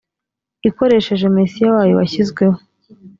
ikoresheje mesiya wayo washyizweho